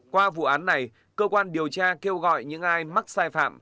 qua vụ án này cơ quan điều tra kêu gọi những ai mắc sai phạm